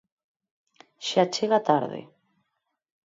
Xa chega tarde.